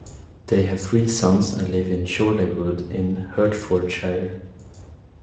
They have three sons and live in Chorleywood in Hertfordshire.